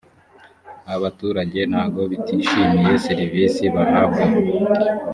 abaturage ntago bitishimiye serivisi bahabwa